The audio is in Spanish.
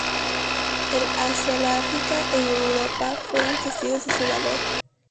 El Asia, la África y Europa fueron testigos de su valor.